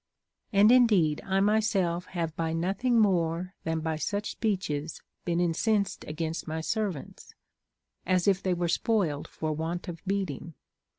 And indeed I myself have by nothing more than by such speeches been incensed against my servants, as if they were spoiled for want of beating.